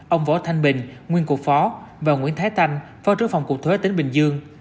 ông võ thanh bình nguyên cục phó và nguyễn thái tanh phó trưởng phòng cục thuế tỉnh bình dương